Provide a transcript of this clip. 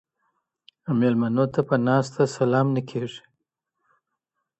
مېلمنو ته په ناسته سلام نه کېږي.